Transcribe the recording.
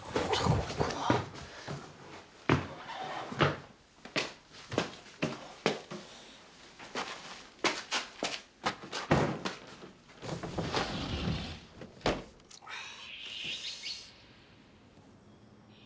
ここは。ああ。